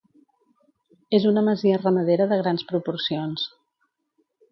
És una masia ramadera de grans proporcions.